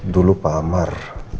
dulu pak amar